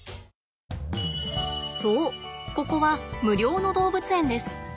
そうここは無料の動物園です。